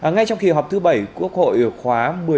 ngay trong kỳ họp thứ bảy quốc hội khóa một mươi bốn